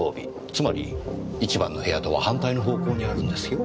つまり１番の部屋とは反対の方向にあるんですよ。